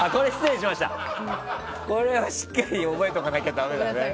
しっかり覚えておかなきゃだめだよね。